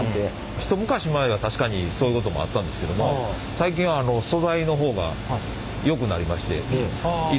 一昔前は確かにそういうこともあったんですけども最近は素材の方が良くなりましていろいろ種類用意しておりますので。